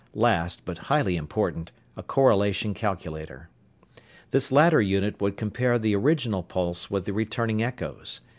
Last but highly important a correlation calculator. This latter unit would compare the original pulse with the returning echoes.